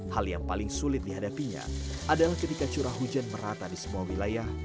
hal yang paling sulit dihadapinya adalah ketika curah hujan merata di semua wilayah